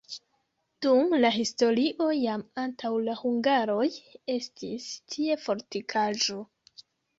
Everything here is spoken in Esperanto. Dum la historio jam antaŭ la hungaroj estis tie fortikaĵo.